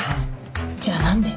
じゃあ何で？